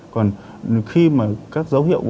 còn khi mà các dấu hiệu